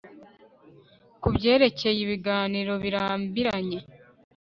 kubyerekeye ibiganiro birambiranye